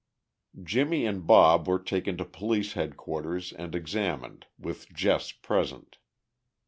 Jimmie and Bob were taken to Police Headquarters and examined, with Jess present.